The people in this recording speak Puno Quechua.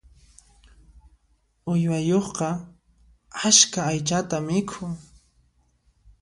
Uywayuqqa askha aychatan mikhun.